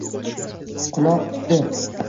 Quloq tutdi